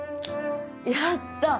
やった！